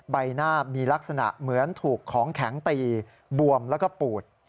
ใบหน้ามีลักษณะเหมือนถูกของแข็งตีบวมแล้วก็ปูด